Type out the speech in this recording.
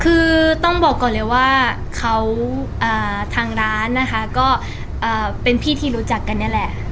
คือต้องบอกก่อนเลยว่าเขาทางร้านนะคะก็เป็นพี่ที่รู้จักกันนี่แหละ